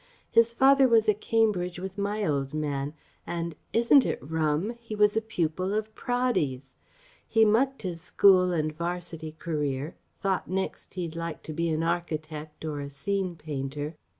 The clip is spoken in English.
His father was at Cambridge with my old man, and isn't it rum? he was a pupil of Praddy's!! He mucked his school and 'varsity career, thought next he'd like to be an architect or a scene painter.